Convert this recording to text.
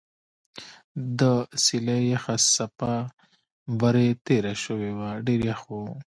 د څېلې یخه څپه برې تېره شوې وه ډېر یخ و.